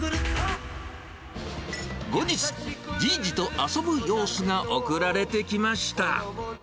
後日、じいじと遊ぶ様子が送られてきました。